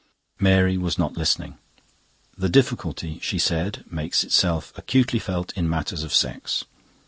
Mary was not listening. "The difficulty," she said, "makes itself acutely felt in matters of sex.